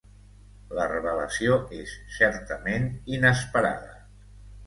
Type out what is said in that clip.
La revelació és certament inesperada.